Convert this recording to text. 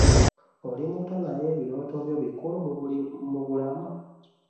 Oli mutton aye ebirooto byo bikulu mu bulamu.